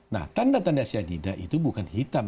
nah tanda tanda si anida itu bukan hitam